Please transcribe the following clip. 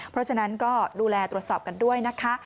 เพราะฉะนั้นก็ดูแลตรวจสอบกันด้วยนะคะ